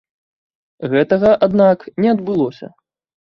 Гэтага, аднак, не адбылося.